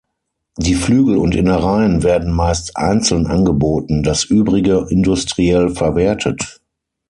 Die Flügel und Innereien werden meist einzeln angeboten, das Übrige industriell verwertet.